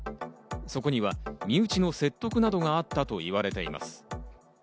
そこには身内の説得などがあったといわれています。